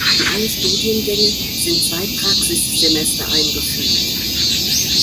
In alle Studiengänge sind zwei Praxissemester eingefügt.